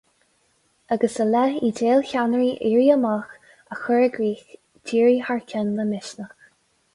Agus i leith idéil cheannairí Éirí Amach a chur i gcrích, d'éirigh thar cionn le Misneach.